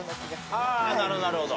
あなるほど。